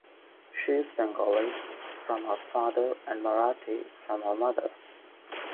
She's Bengali from her father and Marathi from her mother.